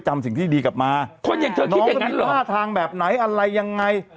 จริงที่ราชดาหมดจริง